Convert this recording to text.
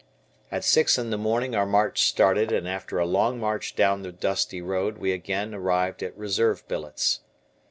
At six in the morning our march started and, after a long march down the dusty road, we again arrived at reserve billets.